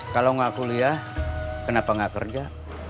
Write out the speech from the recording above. kalau gak kuliah kenapa gak kerja